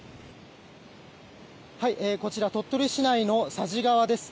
こちら鳥取市内の佐治川です。